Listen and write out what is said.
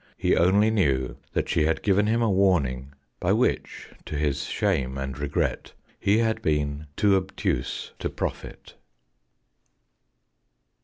He only knew that she had given him a warning, by which, to his shame and regret, he had been too obtuse to profit.